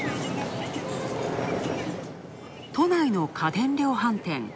都内の家電量販店。